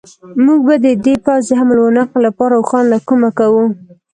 موږ به د دې پوځ د حمل و نقل لپاره اوښان له کومه کوو.